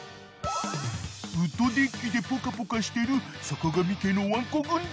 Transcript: ［ウッドデッキでポカポカしてる坂上家のワンコ軍団］